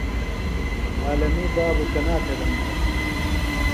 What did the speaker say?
عالمی بابوۡ کنا تھےۡ ڈھنگولوۡ؟